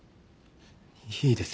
いいです。